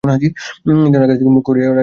জানালার কাছে মুখ রাখিয়া ভূমিতে গিয়া বসিলেন।